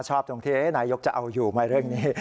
ตรงที่นายกจะเอาอยู่ไหมเรื่องนี้